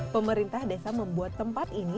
pemerintah desa membuat tempat ini